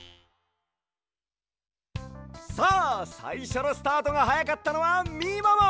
さあさいしょのスタートがはやかったのはみもも！